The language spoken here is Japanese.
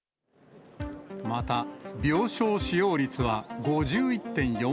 また、病床使用率は５１．４％。